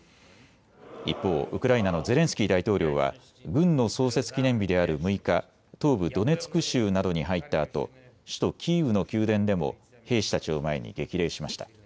一方、ウクライナのゼレンスキー大統領は軍の創設記念日である６日、東部ドネツク州などに入ったあと首都キーウの宮殿でも兵士たちを前に激励しました。